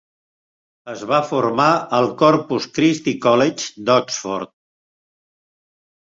Es va formar al Corpus Christi College d'Oxford.